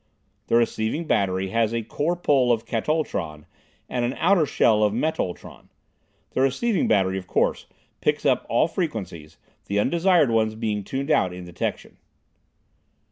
The receiving battery has a core pole of katultron and an outer shell of metultron. The receiving battery, of course, picks up all frequencies, the undesired ones being tuned out in detection.